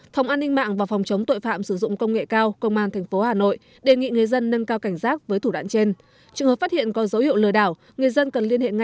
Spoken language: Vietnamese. thống an ninh mạng và phòng chống tội phạm sử dụng công nghệ cao công an tp hà nội đề nghị người dân nâng cao cảnh giác với thủ đoạn trên